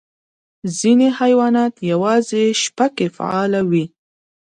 ځینې حیوانات یوازې شپه کې فعال وي.